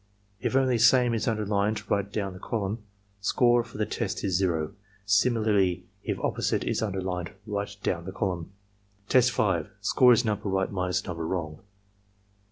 If only "Same" is underlined right down the column, score for the test is zero. Similarly if "Opposite" is under lined right down the column. Tests (Score is number right minus number wrong.)